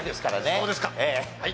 そうですかはい。